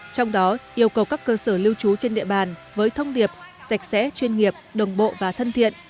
trong đó yêu cầu các cơ sở lưu trú trên địa bàn với thông điệp sạch sẽ chuyên nghiệp đồng bộ và thân thiện